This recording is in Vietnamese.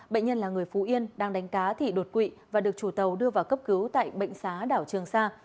bệnh nhân là người phú yên đang đánh cá thì đột quỵ và được chủ tàu đưa vào cấp cứu tại bệnh xá đảo trường sa